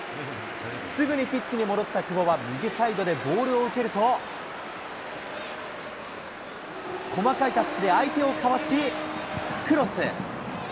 すぐにピッチに戻った久保は、右サイドでボールを受けると、細かいタッチで相手をかわしクロス。